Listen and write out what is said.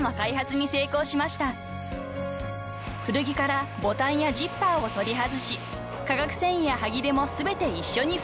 ［古着からボタンやジッパーを取り外し科学繊維や端切れも全て一緒に粉砕］